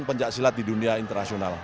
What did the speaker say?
dan menjaga silat di dunia internasional